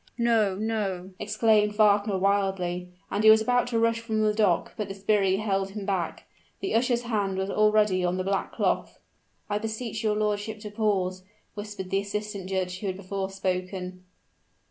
"No! no!" exclaimed Wagner, wildly: and he was about to rush from the dock, but the sbirri held him back. The usher's hand was already on the black cloth. "I beseech your lordship to pause!" whispered the assistant judge who had before spoken.